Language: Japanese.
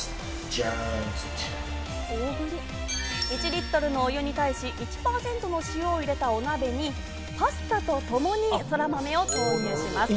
１リットルのお湯に対し、１％の塩を入れたお鍋にパスタとともにそらまめを投入します。